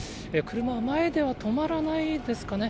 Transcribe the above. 車は前では止まらないですかね。